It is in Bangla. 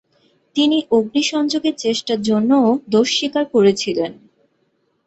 তিনি অগ্নিসংযোগের চেষ্টার জন্য ও দোষ স্বীকার করেছিলেন।